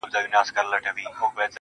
چي دي شراب، له خپل نعمته ناروا بلله.